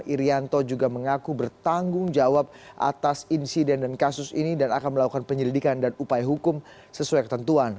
irianto juga mengaku bertanggung jawab atas insiden dan kasus ini dan akan melakukan penyelidikan dan upaya hukum sesuai ketentuan